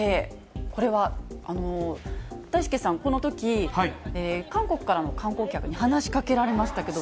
これは、だいすけさん、このとき、韓国からの観光客に話しかけられましたけど。